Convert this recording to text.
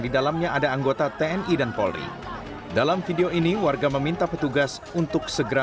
di dalamnya ada anggota tni dan polri dalam video ini warga meminta petugas untuk segera